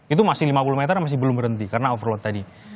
itu masih lima puluh meter masih belum berhenti karena overload tadi